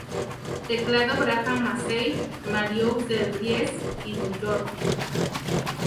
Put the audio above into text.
Teclado: Graham Massey, Marius de Vries y Björk.